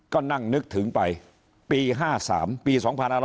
ก็นั่งนึกถึงไปปี๕๓ปี๒๕๖๐